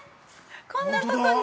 こんなとこに？